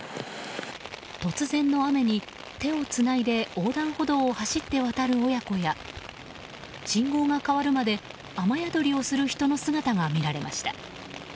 突然の雨に、手をつないで横断歩道を走って渡る親子や信号が変わるまで雨宿りをする人の姿が見られました。